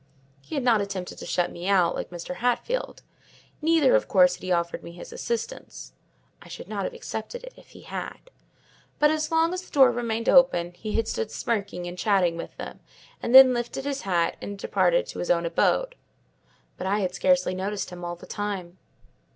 He had not attempted to shut me out, like Mr. Hatfield; neither, of course, had he offered me his assistance (I should not have accepted it, if he had), but as long as the door remained open he had stood smirking and chatting with them, and then lifted his hat and departed to his own abode: but I had scarcely noticed him all the time.